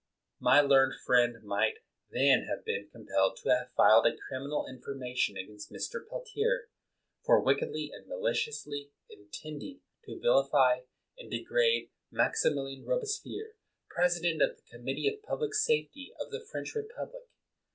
My learned friend might then have been com pelled to have filed a criminal information against Mr. Peltier, for "wickedly and mali ciously intending to vilify and degrade Maxi milian Robespierre, President of the Committee of Public Safety of the French Republic